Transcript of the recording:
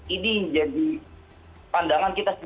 ini jadi pandangan kita sendiri